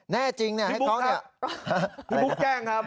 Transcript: แน่จริงให้เขาเนี่ยพี่ปุ๊กครับพี่ปุ๊กแจ้งครับ